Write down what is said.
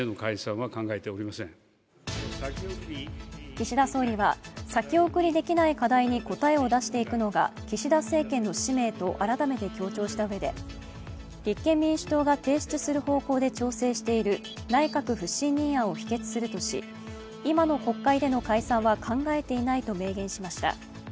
岸田総理は、先送りできない課題に答えを出していくのが岸田政権の使命と改めて強調したうえで立憲民主党が提出する方向で調整している内閣不信任案を否決するとし、今の国会での解散は考えていないと明言しました。